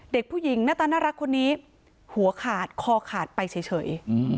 เด็กผู้หญิงหน้าตาน่ารักคนนี้หัวขาดคอขาดไปเฉย